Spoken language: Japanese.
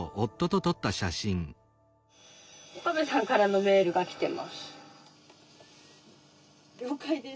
岡部さんからのメールが来てます。